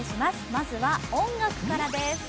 まずは、音楽からです。